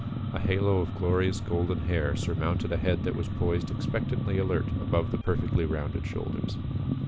A halo of glorious golden hair surmounted a head that was poised expectantly alert above the perfectly rounded shoulders.